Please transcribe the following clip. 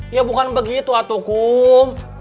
ya bukan begitu atukum